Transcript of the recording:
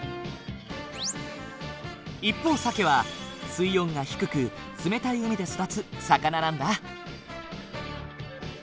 一方サケは水温が低く冷たい海で育つ魚なんだ。